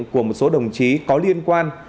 của một số đồng chí có liên quan